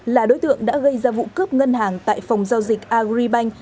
là đối tượng đã gây ra vụ cướp ngân hàng tại phòng giao dịch agribank